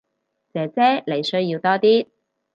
姐姐你需要多啲